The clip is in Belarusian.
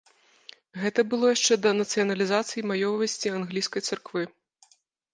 Гэта было яшчэ да нацыяналізацыі маёмасці англійскай царквы.